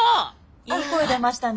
いい声出ましたね。